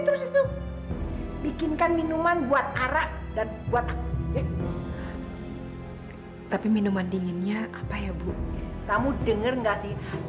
terus itu bikinkan minuman buat arak dan buat aku tapi minuman dinginnya apa ya bu kamu denger nggak sih